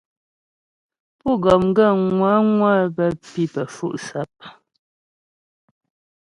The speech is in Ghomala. Pú gɔm gaə́ ŋwə̌ŋwə bə́ pǐ pə́ fu'sap.